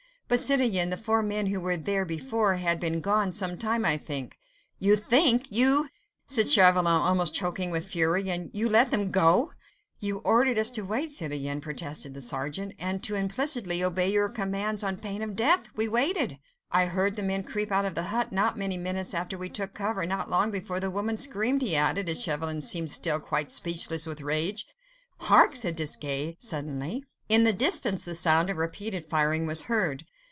"But, citoyen, the four men who were there before had been gone some time, I think ..." "You think?—You? ..." said Chauvelin, almost choking with fury, "and you let them go ..." "You ordered us to wait, citoyen," protested the sergeant, "and to implicitly obey your commands on pain of death. We waited." "I heard the men creep out of the hut, not many minutes after we took cover, and long before the woman screamed," he added, as Chauvelin seemed still quite speechless with rage. "Hark!" said Desgas suddenly. In the distance the sound of repeated firing was heard.